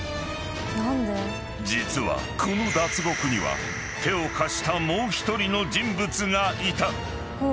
［実はこの脱獄には手を貸したもう一人の人物がいた］